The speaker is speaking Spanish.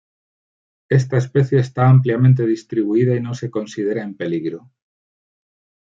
Esta especie está ampliamente distribuida y no se considera en peligro.